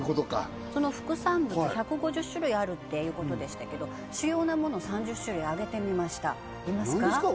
その副産物１５０種類あるっていうことでしたけど主要なもの３０種類あげてみました何ですか